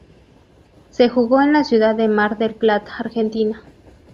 Se jugó en la ciudad de Mar del Plata, Argentina.